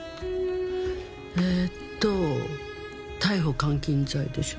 えーっと逮捕監禁罪でしょ